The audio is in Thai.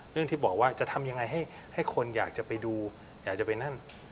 เรื่องที่บอกว่าจะทำยังไงให้คนอยากจะไปดูอยากจะไปนั่น